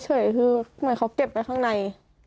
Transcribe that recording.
เฉยคือเหมือนเขาเก็บไว้ข้างใน